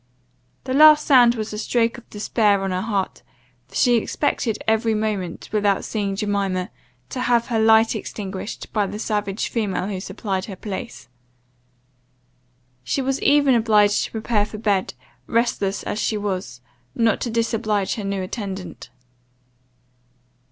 The last sound was a stroke of despair on her heart; for she expected every moment, without seeing Jemima, to have her light extinguished by the savage female who supplied her place. She was even obliged to prepare for bed, restless as she was, not to disoblige her new attendant.